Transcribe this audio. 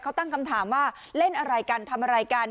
เขาตั้งคำถามว่าเล่นอะไรกันทำอะไรกัน